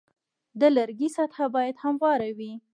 د لرګي سطحه باید همواره وي.